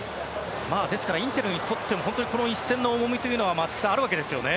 ですから、インテルにとってもこの一戦の重みが松木さん、あるわけですよね。